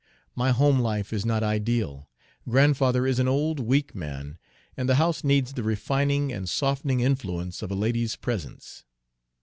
My home life is not ideal, grandfather is an old, weak man, and the house needs the refining and softening influence of a lady's presence.